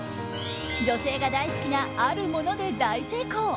女性が大好きなあるもので大成功。